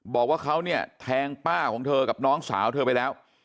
บอกว่าเขาเนี่ยแทงป้าของเธอกับน้องสาวเธอไปแล้ว